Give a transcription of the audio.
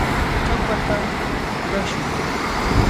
Champata tikrashun.